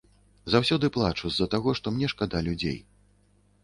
Заўсёды плачу з-за таго, што мне шкада людзей.